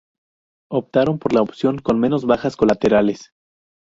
Optaron por la opción con menos bajas colaterales.